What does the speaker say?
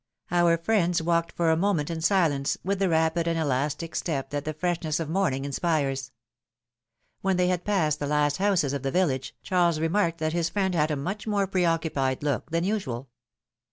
Our friends walked for a moment in silence, with the rapid and elastic step that the freshness of morning inspires. When they had passed the last houses of the village, Charles remarked that his friend had a much more pre occupied look than usual.